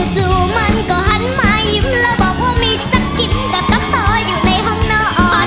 จู่มันก็หันมายิ้มแล้วบอกว่ามีจะกินกับตักต่ออยู่ในห้องนอน